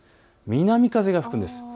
南風が吹くんです。